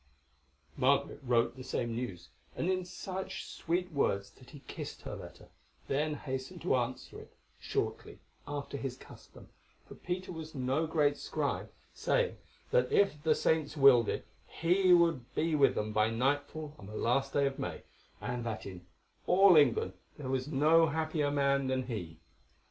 Margaret wrote the same news, and in such sweet words that he kissed her letter, then hastened to answer it, shortly, after his custom, for Peter was no great scribe, saying, that if the saints willed it he would be with them by nightfall on the last day of May, and that in all England there was no happier man than he.